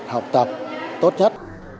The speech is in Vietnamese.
học tập tốt nhất